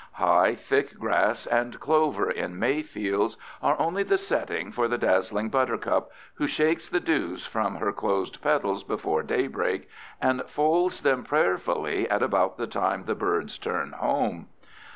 High, thick grass and clover in May fields are only the setting for the dazzling buttercup, who shakes the dews from her closed petals before daybreak and folds them prayerfully at about the time the birds turn home.